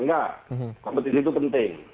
nggak kompetisi itu penting